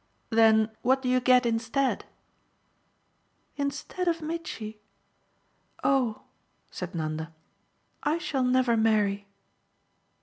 "Then what do you get instead?" "Instead of Mitchy? Oh," said Nanda, "I shall never marry."